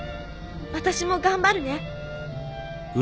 私も頑張るね。